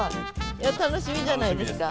楽しみじゃないですか。